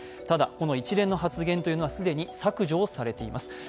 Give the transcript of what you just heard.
ただ、この一連の発言というのは既に削除されています。